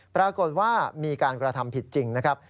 ปรากฏว่ามีการกระทำผิดจริงนะครับ